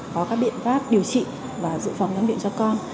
có các biện pháp điều trị và dụ phòng răng miệng cho con